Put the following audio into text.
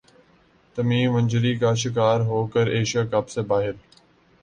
تمیم injury کا شکار ہو کر ایشیا کپ سے باہر